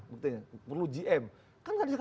buktinya perlu gm kan tadi